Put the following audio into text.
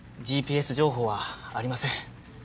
ＧＰＳ情報はありません。